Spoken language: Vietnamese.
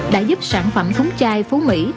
đã giúp sản phẩm thúng chai phú mỹ